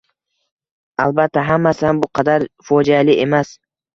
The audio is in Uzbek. Albatta, hammasi ham bu qadar fojeali emas